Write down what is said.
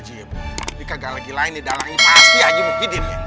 ini kagak lagi lain di dalang ini pasti haji muhyiddin ya